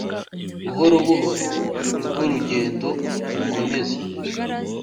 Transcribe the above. buhorobuhoro ni rwo rugendo mukomeze